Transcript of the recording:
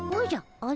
あれ。